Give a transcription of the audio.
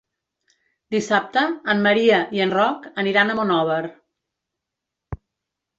Dissabte en Maria i en Roc aniran a Monòver.